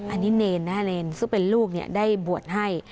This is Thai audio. อันนี้เนรนะฮะเนรซึ่งเป็นลูกได้บวชให้